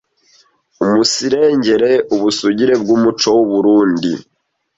umunsirengere ubusugire bw’umuco w’u Burunndi